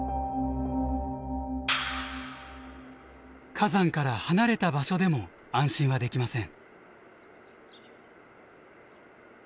火山から離れた場所でも安心はできません。